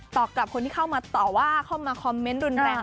ตอบกับคนที่เข้ามาต่อว่าเข้ามาคอมเม้นต์ฟิล์ดความหนุ่มแรง